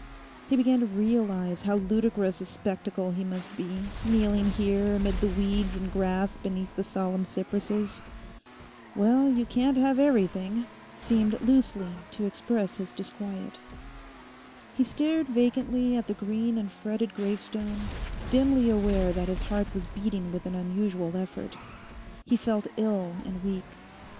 He began to realize how ludicrous a spectacle he must be, kneeling here amid the weeds and grass beneath the solemn cypresses. 'Well, you can't have everything,' seemed loosely to express his disquiet. He stared vacantly at the green and fretted gravestone, dimly aware that his heart was beating with an unusual effort. He felt ill and weak.